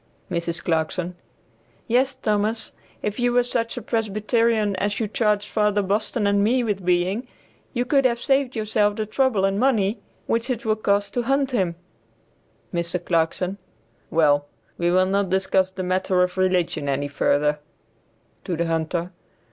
Mrs. Clarkson. "Yes, Thomas, if you were such a Presbyterian as you charged Father Boston and me with being, you could have saved yourself the trouble and money which it will cost to hunt him." Mr. Clarkson. "Well, we will not discuss the matter of religion any further." (To the hunter.)